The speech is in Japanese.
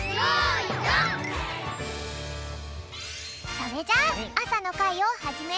それじゃあさのかいをはじめるぴょん！